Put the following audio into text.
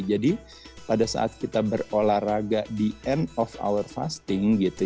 jadi pada saat kita berolahraga di end of our fasting gitu